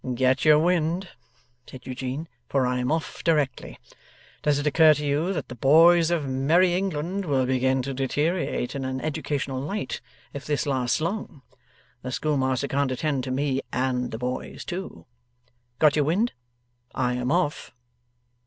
'Get your wind,' said Eugene, 'for I am off directly. Does it occur to you that the boys of Merry England will begin to deteriorate in an educational light, if this lasts long? The schoolmaster can't attend to me and the boys too. Got your wind? I am off!